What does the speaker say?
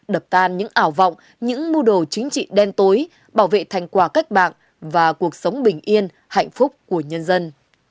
đập tan những ảo vọng những mưu đồ chính trị đen tối bảo vệ thành quả cách mạng và cuộc sống bình yên hạnh phúc của nhân dân